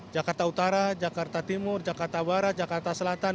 jakarta utara jakarta timur jakarta barat jakarta selatan